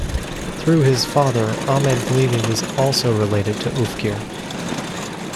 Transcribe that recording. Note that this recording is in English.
Through his father Ahmed Dlimi was also related to Oufkir.